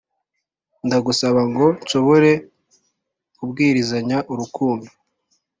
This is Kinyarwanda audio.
Ndagusaba ngo nshobore kubwirizanya urukundo